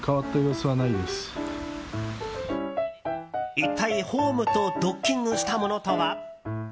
一体、ホームとドッキングしたものとは？